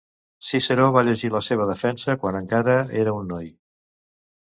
Ciceró va llegir la seva defensa quan encara era un noi.